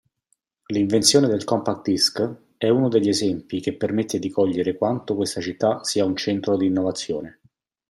L'invenzione del Compact Disc è uno degli esempi che permette di cogliere quanto questa città sia un centro di innovazione.